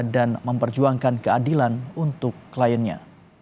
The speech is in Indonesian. dan memperjuangkan keadilan untuk kliennya